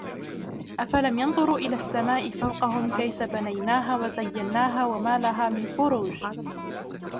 أفلم ينظروا إلى السماء فوقهم كيف بنيناها وزيناها وما لها من فروج